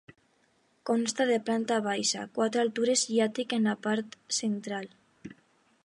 Consta de planta baixa, quatre altures i àtic en la part central.